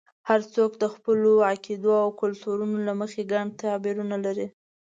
هر څوک د خپلو عقیدو او کلتورونو له مخې ګڼ تعبیرونه لري.